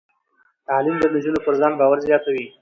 تعلیم د نجونو پر ځان باور زیاتوي.